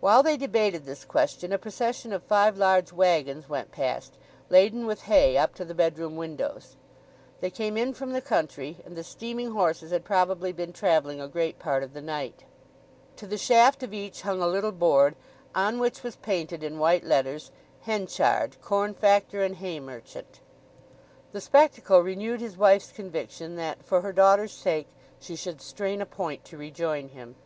While they debated this question a procession of five large waggons went past, laden with hay up to the bedroom windows. They came in from the country, and the steaming horses had probably been travelling a great part of the night. To the shaft of each hung a little board, on which was painted in white letters, "Henchard, corn factor and hay merchant." The spectacle renewed his wife's conviction that, for her daughter's sake, she should strain a point to rejoin him.